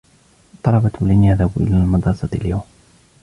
الطلبة لن يذهبوا إلى المدرسة اليوم.